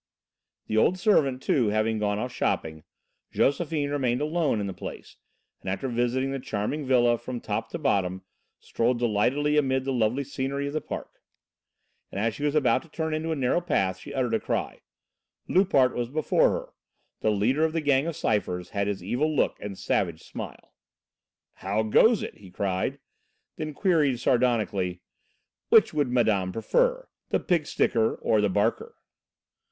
The old servant, too, having gone off shopping, Josephine remained alone in the place, and after visiting the charming villa from top to bottom strolled delightedly amid the lovely scenery of the park. As she was about to turn into a narrow path, she uttered a loud cry. Loupart was before her. The leader of the Gang of Cyphers had his evil look and savage smile. "How goes it?" he cried, then queried, sardonically: "Which would madame prefer, the pig sticker or the barker?"